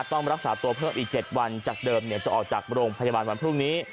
ต้องรักษาตัวเพิ่มอีก๗วันจากเดิมจะออกจากโรงพยาบาลวันพรุ่งนี้